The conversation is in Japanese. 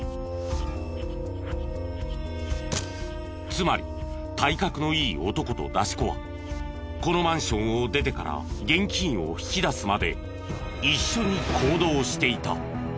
つまり体格のいい男と出し子はこのマンションを出てから現金を引き出すまで一緒に行動していた。